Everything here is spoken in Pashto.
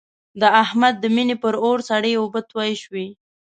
د احمد د مینې پر اور سړې اوبه توی شوې.